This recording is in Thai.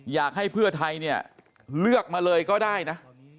อยากให้เพื่อไทยเนี่ยเลือกมาเลยก็ได้นะ